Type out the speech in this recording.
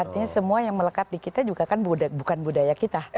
artinya semua yang melekat di kita juga kan bukan budaya kita